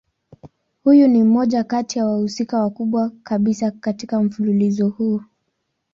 Huyu ni mmoja kati ya wahusika wakubwa kabisa katika mfululizo huu.